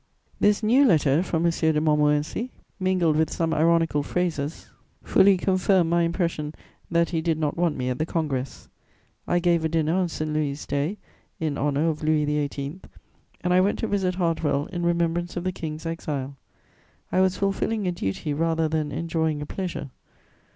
This new letter from M. de Montmorency, mingled with some ironical phrases, fully confirmed my impression that he did not want me at the Congress. I gave a dinner on St. Louis' Day, in honour of Louis XVIII., and I went to visit Hartwell in remembrance of the King's exile; I was fulfilling a duty rather than enjoying a pleasure.